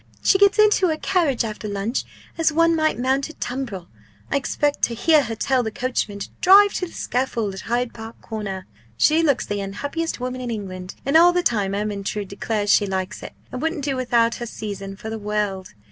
She gets into her carriage after lunch as one might mount a tumbril. I expect to hear her tell the coachman to drive to the scaffold at Hyde Park Corner.' She looks the unhappiest woman in England and all the time Ermyntrude declares she likes it, and wouldn't do without her season for the world!